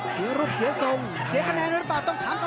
กาดเกมสีแดงเดินแบ่งมูธรุด้วย